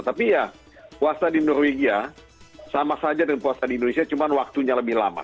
tapi ya puasa di norwegia sama saja dengan puasa di indonesia cuma waktunya lebih lama